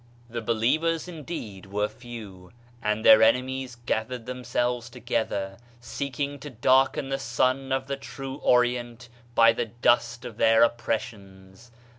"' The believers indeed were few, and their enemies gathered themselves together, seeking to darken the sun of the true Orient by the dust of their oppressions.